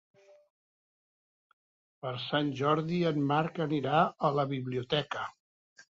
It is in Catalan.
Per Sant Jordi en Marc anirà a la biblioteca.